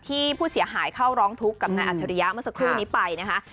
ที่ผู้เสียหายเข้าร้องทุกข์กับนายอัจฉริยะเมื่อสักครู่นี้ไปนะคะ